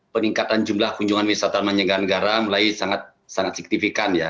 peningkatan jumlah kunjungan wisatawan mancanegara mulai sangat signifikan ya